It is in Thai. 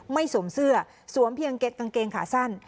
สวมเสื้อสวมเพียงกางเกงขาสั้น